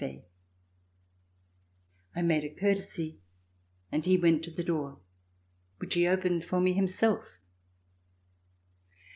I made a courtesy and he went to the door which he opened for me himself.